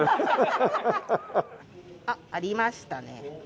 あっありましたね。